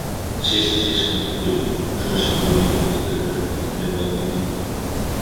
শেষে সে শান্ত হইল, শশী বলিল, তোর ব্যাপারটা খুলে বল তো বিন্দু?